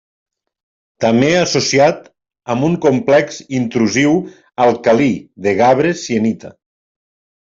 També associat amb un complex intrusiu alcalí de gabre-sienita.